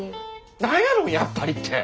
何やのやっぱりって。